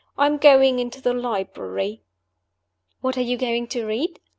"I am going into the library." "What are you going to read?"